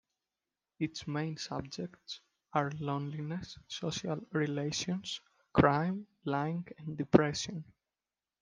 Its main subjects are loneliness, social relations, crime, lying and depression.